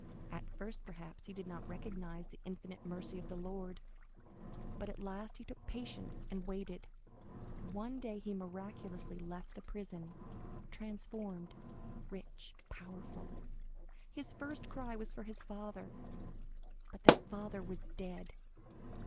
At first, perhaps, he did not recognize the infinite mercy of the Lord, but at last he took patience and waited. One day he miraculously left the prison, transformed, rich, powerful. His first cry was for his father; but that father was dead."